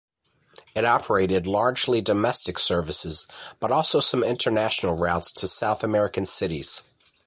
It operated largely domestic services, but also some international routes to South American cities.